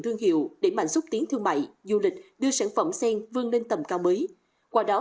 thương hiệu để mạnh xúc tiến thương mại du lịch đưa sản phẩm sen vươn lên tầm cao mới qua đó